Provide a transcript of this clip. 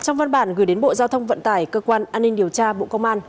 trong văn bản gửi đến bộ giao thông vận tải cơ quan an ninh điều tra bộ công an